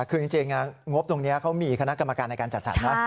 คือจริงงบตรงนี้เขามีคณะกรรมการในการจัดสรรนะ